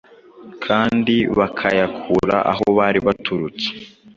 kandi bakayakura aho bari baturutse.